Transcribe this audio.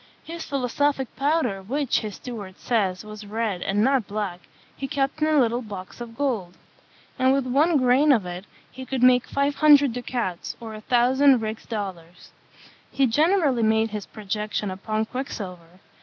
His philosophic powder, which, his steward says, was red, and not black, he kept in a little box of gold; and with one grain of it he could make five hundred ducats, or a thousand rix dollars. He generally made his projection upon quicksilver.